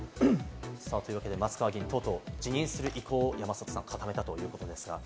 松川議員、とうとう辞任する意向を山里さん、固めたということですが。